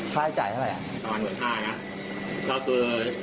ค่าใช้จ่ายเท่าไหร่